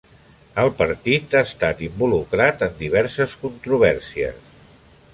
El partit ha estat involucrat en diverses controvèrsies.